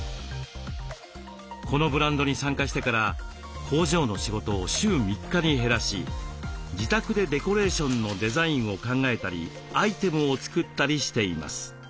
このブランドに参加してから工場の仕事を週３日に減らし自宅でデコレーションのデザインを考えたりアイテムを作ったりしています。